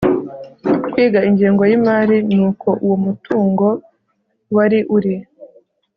kwiga ingengo y imari n uko uwo mutungo wari uri